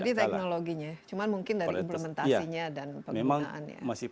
jadi teknologinya cuma mungkin dari implementasinya dan penggunaannya